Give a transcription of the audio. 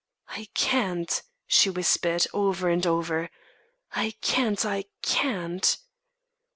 "I can't," she whispered, over and over; "I can't I can't."